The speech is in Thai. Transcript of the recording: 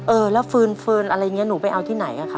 เออแล้วฟืนฟืนอะไรอย่างนี้หนูไปเอาที่ไหนอะคะ